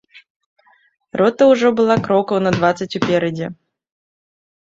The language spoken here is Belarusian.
Рота ўжо была крокаў на дваццаць уперадзе.